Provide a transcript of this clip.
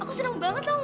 aku seneng banget tau gak